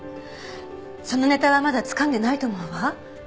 そのネタはまだつかんでないと思うわ。